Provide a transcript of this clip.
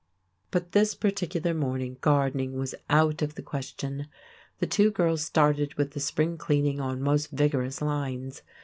But this particular morning gardening was out of the question. The two girls started with the spring cleaning on most vigorous lines.